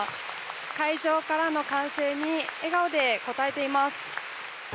会場からの歓声に笑顔で応えています。